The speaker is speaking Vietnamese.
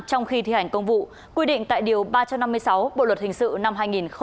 trong khi thi hành công vụ quy định tại điều ba trăm năm mươi sáu bộ luật hình sự năm hai nghìn một mươi năm